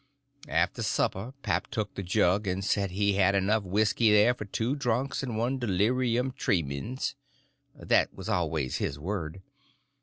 After supper pap took the jug, and said he had enough whisky there for two drunks and one delirium tremens. That was always his word.